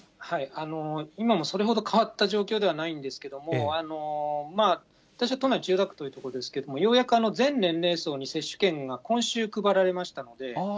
今もそれほど変わった状況ではないんですけども、私は都内、千代田区という所ですけれども、ようやく全年齢に接種券が今週配られましたので。